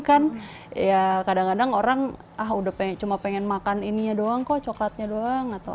kan ya kadang kadang orang ah udah pengen cuma pengen makan ininya doang kok coklatnya doang atau